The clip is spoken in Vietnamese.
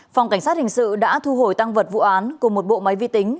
phòng cảnh sát hình sự đã thu hồi tăng vật vụ án cùng một bộ máy vi tính